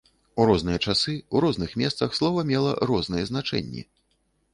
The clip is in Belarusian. У розныя часы, у розных месцах слова мела розныя значэнні.